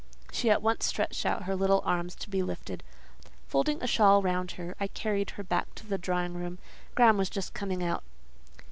She at once stretched out her little arms to be lifted. Folding a shawl round her, I carried her back to the drawing room. Graham was just coming out.